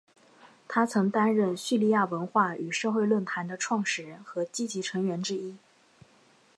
他曾担任叙利亚文化与社会论坛的创始人和积极成员之一。